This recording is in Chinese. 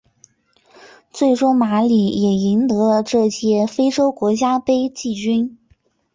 最终马里也赢得了这届非洲国家杯季军。